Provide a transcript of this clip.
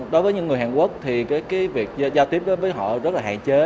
đối với những người hàn quốc thì cái việc giao tiếp với họ rất là hạn chế